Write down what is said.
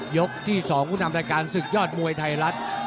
ยกที่๒ผู้นำรายการศึกยอดมวยไทยรัฐ